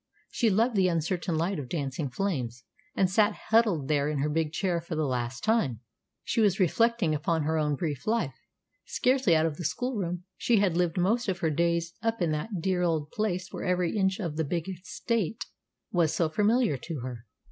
She loved the uncertain light of dancing flames, and sat huddled there in her big chair for the last time. She was reflecting upon her own brief life. Scarcely out of the schoolroom, she had lived most of her days up in that dear old place where every inch of the big estate was so familiar to her.